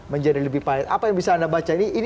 menjadi lebih pahit apa yang bisa anda baca ini